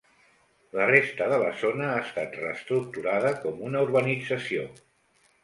La resta de la zona ha estat reestructurada com una urbanització.